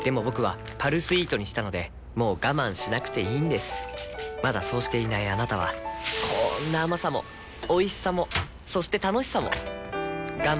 僕は「パルスイート」にしたのでもう我慢しなくていいんですまだそうしていないあなたはこんな甘さもおいしさもそして楽しさもあちっ。